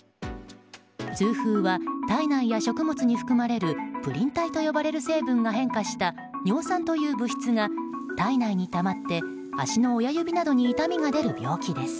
痛風は体内や食物に含まれるプリン体と呼ばれる成分が変化した尿酸という物質が体内にたまって足の親指などに痛みが出る病気です。